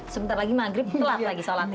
sebentar lagi maghrib telat lagi sholatnya